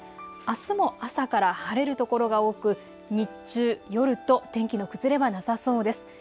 あすも朝から晴れる所が多く日中、夜と天気の崩れはなさそうです。